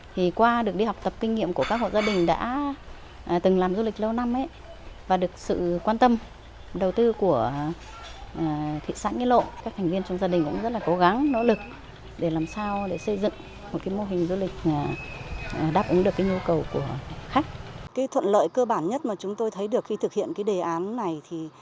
thị xã nghĩa lộ dân tộc thái tại xã nghĩa lộ thị xã nghĩa lộ thuần lợi cơ bản nhất của chúng tôi thấy được khi thực hiện đề án này